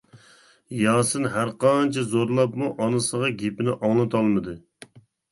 ياسىن ھەرقانچە زورلاپمۇ ئانىسىغا گېپىنى ئاڭلىتالمىدى.